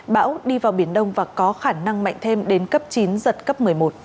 bão đi vào biển đông và có khả năng mạnh thêm đến cấp chín giật cấp một mươi một